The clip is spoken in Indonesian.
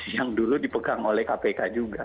yang dulu dipegang oleh kpk juga